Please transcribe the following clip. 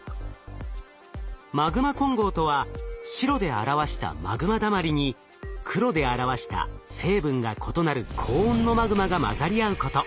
マグマ混合とは白で表したマグマだまりに黒で表した成分が異なる高温のマグマが混ざり合うこと。